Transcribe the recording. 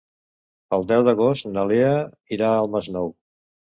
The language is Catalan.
El deu d'agost na Lea irà al Masnou.